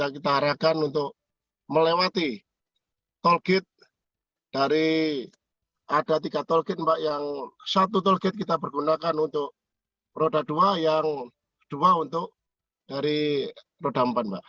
kita harapkan untuk melewati tol gate dari ada tiga tol gate mbak yang satu tol gate kita bergunakan untuk roda dua yang dua untuk dari roda empat mbak